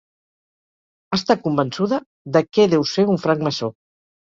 Està convençuda de què deu ser un francmaçó.